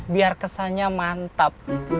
biar kesannya mantap